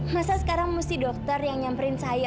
masa sekarang mesti dokter yang nyamperin saya